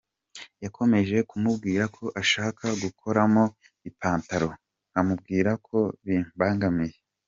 Yakomeje kumbwira ko ashaka gukuramo ipantalo nkamubwira ko bimbangamiye.